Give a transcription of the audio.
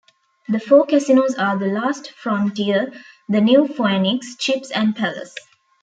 The four casinos are the Last Frontier, The New Phoenix, Chips and Palace.